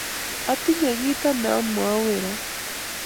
atinye kito ne amwoun wng' oret